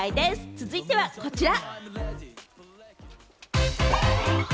続いてはこちら。